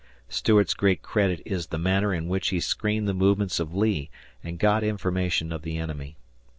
Stuart's great credit is the manner in which he screened the movements of Lee and got information of the enemy.